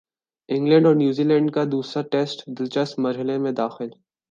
England اور New Zealand کا دوسرا ٹیسٹ دلچسپ مرحلے میں داخل